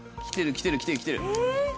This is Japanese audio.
来てる来てる来てる来てる。